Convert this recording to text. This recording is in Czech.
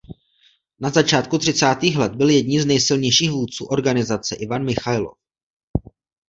Na začátku třicátých let byl jedním z nejsilnějších vůdců organizace Ivan Michajlov.